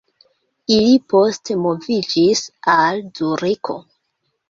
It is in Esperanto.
Ili poste moviĝis al Zuriko.